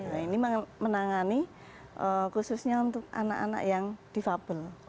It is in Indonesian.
nah ini menangani khususnya untuk anak anak yang defable